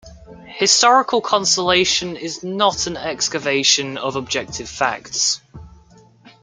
Historical conciliation is not an excavation of objective facts.